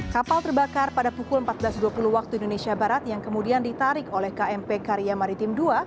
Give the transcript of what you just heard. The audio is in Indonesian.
kapal terbakar pada pukul empat belas dua puluh waktu indonesia barat yang kemudian ditarik oleh kmp karya maritim ii